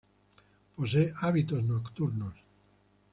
Posee hábitos nocturnos.